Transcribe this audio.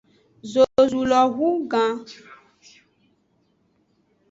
Zozulo wu gan.